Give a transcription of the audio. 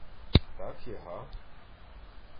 — Так є, га?